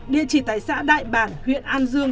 địa chỉ tại xã đại bản huyện an dương